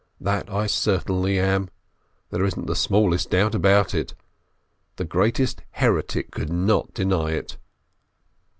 "That I certainly am, there isn't the smallest doubt about it! The greatest heretic could not deny it!"